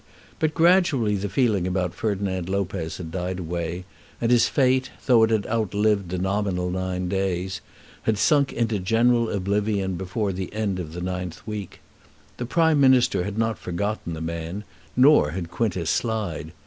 But gradually the feeling about Ferdinand Lopez had died away, and his fate, though it had outlived the nominal nine days, had sunk into general oblivion before the end of the ninth week. The Prime Minister had not forgotten the man, nor had Quintus Slide.